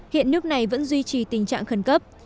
hiện nước này vẫn duy trì tình trạng khẩn cấp